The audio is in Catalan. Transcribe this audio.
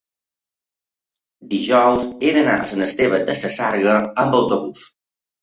dijous he d'anar a Sant Esteve de la Sarga amb autobús.